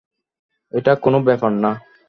এটা কোনো ব্যাপার না।